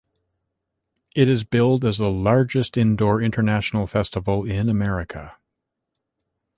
It is billed as the largest indoor international festival in America.